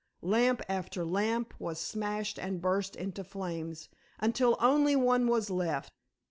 Lamp after lamp was smashed and burst into flames, until only one was left.